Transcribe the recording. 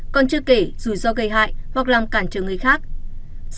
còn chưa kể rủi ro gây hại hoặc làm cản trở người khác